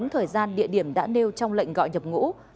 bốn thời gian địa điểm đã nêu trong lệnh gọi nhập ngũ